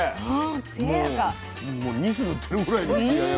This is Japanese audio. もうニス塗ってるぐらいの艶やかさ。